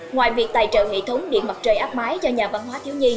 ngoài việc tài trợ hệ thống điện mặt trời áp mái cho nhà văn hóa thiếu nhi